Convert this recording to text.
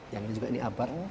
yang ini juga ini abad